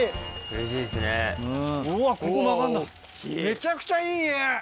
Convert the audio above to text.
めちゃくちゃいい家！